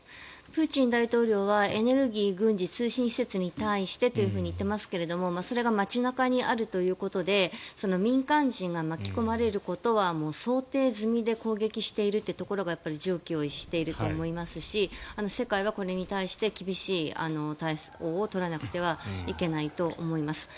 プーチン大統領はエネルギー、軍事通信施設に対してと言っていますけれどそれが街中にあるということで民間人が巻き込まれることは想定済みで攻撃しているというところが常軌を逸していると思いますし世界はこれに対して厳しい対応を取らなくてはいけないと思います。